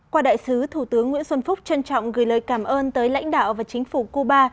qua đại sứ thủ tướng nguyễn xuân phúc trân trọng gửi lời cảm ơn tới lãnh đạo và chính phủ cuba